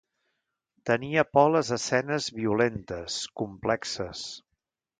Tenia por a les escenes violentes, complexes.